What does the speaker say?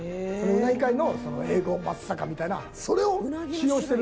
うなぎ界のＡ５松阪みたいなそれを使用しているんですよ。